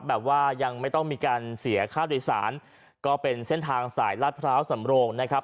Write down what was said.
แบบว่ายังไม่ต้องมีการเสียค่าโดยสารก็เป็นเส้นทางสายลาดพร้าวสำโรงนะครับ